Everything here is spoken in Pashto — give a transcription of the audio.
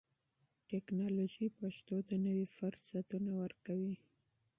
ټکنالوژي پښتو ته نوي فرصتونه ورکوي.